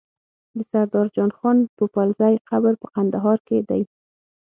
د سردار جان خان پوپلزی قبر په کندهار کی دی